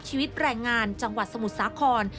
ชีวิตแรงงานจังหวัดสมุทรสาคร